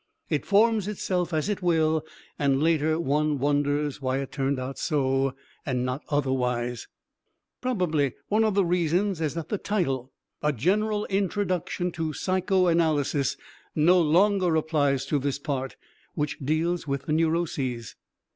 It forms itself as it will and later one wonders why it turned out so and not otherwise. Probably one of the reasons is that the title, A General Introduction to Psychoanalysis, no longer applies to this part, which deals with the neuroses.